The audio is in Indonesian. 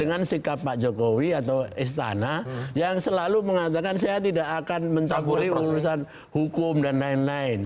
dengan sikap pak jokowi atau istana yang selalu mengatakan saya tidak akan mencampuri urusan hukum dan lain lain